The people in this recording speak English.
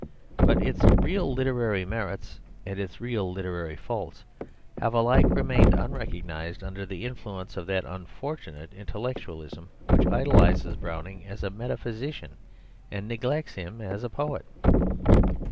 But its real literary merits and its real literary faults have alike remained unrecognised under the influence of that unfortunate intellectualism which idolises Browning as a metaphysician and neglects him as a poet.